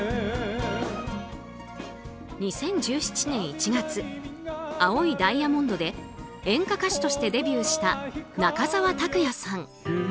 ２０１７年１月「青いダイヤモンド」で演歌歌手としてデビューした中澤卓也さん。